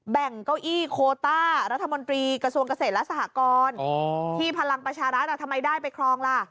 เก้าอี้โคต้ารัฐมนตรีกระทรวงเกษตรและสหกรที่พลังประชารัฐทำไมได้ไปครองล่ะ